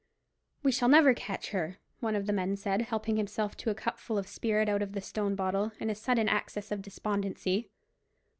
"We shall never catch her," one of the men said, helping himself to a cupful of spirit out of the stone bottle, in a sudden access of despondency.